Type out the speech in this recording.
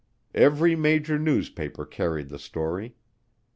Every major newspaper carried the story.